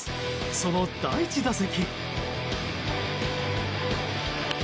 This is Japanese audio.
その第１打席。